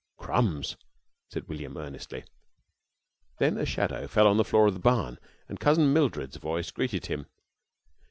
"Crumbs!" said William, earnestly. Then a shadow fell upon the floor of the barn, and Cousin Mildred's voice greeted him.